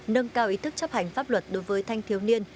nâng cao ý thức chấp hành pháp luật đối với thanh thiếu niên